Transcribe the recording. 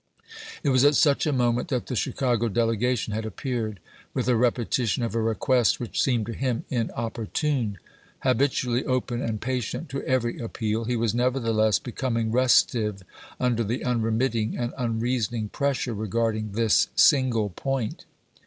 It was at such a moment that the Chicago dele gation had appeared with a repetition of a request which seemed to him inopportune. Habitually open and patient to every appeal, he was never theless becoming restive under the unremitting and unreasoning pressure regarding this single point.